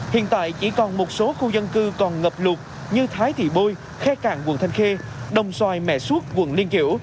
hiện tại chỉ còn một số khu dân cư còn ngập lụt như thái thị bôi khe cạn quận thanh khê đồng xoài mẹ suốt quận liên kiểu